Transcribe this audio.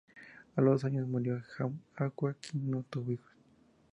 A los dos años, murió Ayar Auca, quien no tuvo hijos.